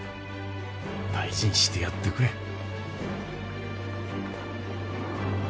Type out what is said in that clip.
大事にしてやってくれ。